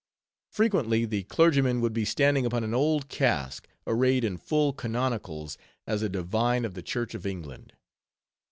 Frequently the clergyman would be standing upon an old cask, arrayed in full canonicals, as a divine of the Church of England.